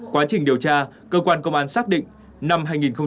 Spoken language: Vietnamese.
quá trình điều tra cơ quan công an xác định năm hai nghìn một mươi bảy